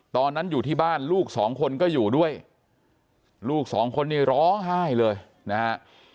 ตอนนั้นอยู่ที่บ้านลูกสองคนก็อยู่ด้วยลูกสองคนนี้ร้องไห้เลยนะฮะ